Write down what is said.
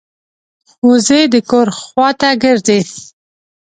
وزې د کور خوا ته ګرځي